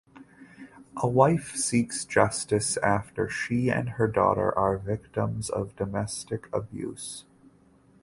A wife seeks justice after she and her daughter are victims of domestic abuse.